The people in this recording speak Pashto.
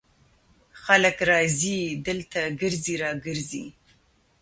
خلک راځي دلته ګرځي را ګرځي.